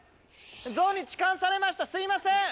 ゾウに痴漢されましたすいません！